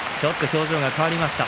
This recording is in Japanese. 表情が変わりました。